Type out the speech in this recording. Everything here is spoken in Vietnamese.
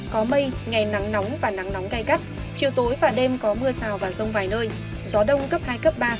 có mây ngày nắng nóng và nắng nóng gai gắt chiều tối và đêm có mưa rào và rông vài nơi gió đông cấp hai cấp ba